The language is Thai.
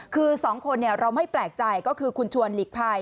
คือสองคนเราไม่แปลกใจก็คือคุณชวนหลีกภัย